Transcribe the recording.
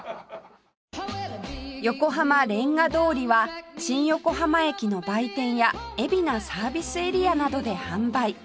横濱レンガ通りは新横浜駅の売店や海老名サービスエリアなどで販売